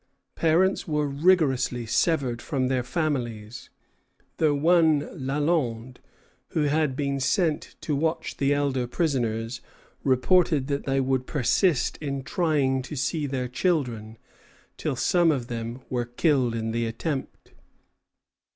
Parents were rigorously severed from their families; though one Lalande, who had been sent to watch the elder prisoners, reported that they would persist in trying to see their children, till some of them were killed in the attempt.